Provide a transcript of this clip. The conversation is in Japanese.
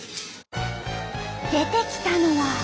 出てきたのは。